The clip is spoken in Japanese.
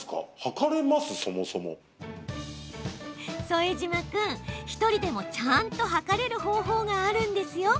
副島君、１人でもちゃんと測れる方法があるんですよ。